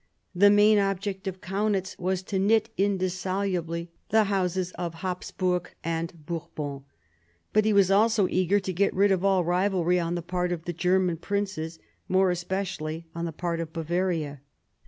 The main object of Kaunitz was to knit indissolubly the Houses of Hapsburg and Bourbon ; but he was also eager to get rid of all rivalry on the part of the German princes, more especially on the part of Bavaria.